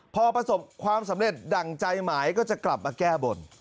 พอประสบความสำเร็จดั่งใจหมายก็จะกลับมาแก้บน